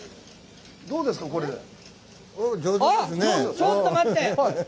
ちょっと待って！